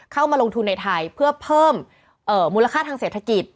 เข้ามาลงทุนในไทยเพื่อเพิ่มมูลค่าทางเศรษฐกิจ